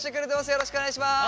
よろしくお願いします。